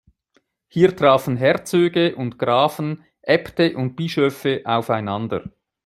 Hier trafen Herzöge und Grafen, Äbte und Bischöfe aufeinander.